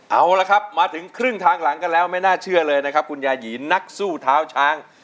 เอาละครับมาถึงครึ่งทางหลังกันแล้วไม่น่าเชื่อเลยนะครับคุณยายีนักสู้เท้าช้าง